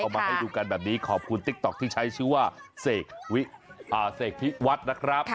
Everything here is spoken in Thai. มาให้ดูกันแบบนี้ขอบคุณติ๊กต๊อกที่ใช้ชื่อว่าเสกพิวัฒน์นะครับ